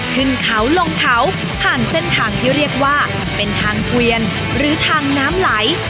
ขึ้นเขาลงเขาผ่านเส้นทางที่เรียกว่าเป็นทางเกวียนหรือทางน้ำไหล